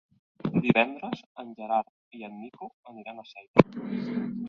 Divendres en Gerard i en Nico aniran a Sella.